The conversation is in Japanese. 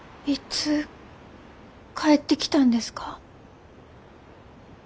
いつ帰ってきたんですか？